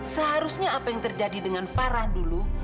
seharusnya apa yang terjadi dengan farah dulu